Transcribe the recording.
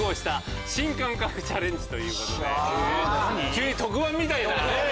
急に特番みたいな。